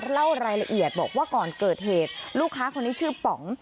เล่ารายละเอียดบอกว่าก่อนเกิดเหตุลูกค้าคนนี้ชื่อป๋อง